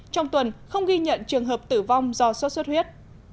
trong tuần không ghi nhận trường hợp tử vong do sốt xuất huyết